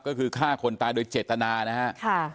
ก็คือฆ่าคนตายโดยเจตนานะครับ